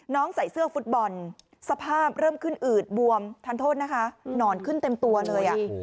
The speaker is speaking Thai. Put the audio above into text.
ใส่เสื้อฟุตบอลสภาพเริ่มขึ้นอืดบวมทานโทษนะคะหนอนขึ้นเต็มตัวเลย